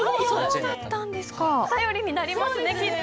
頼りになりますねきっと！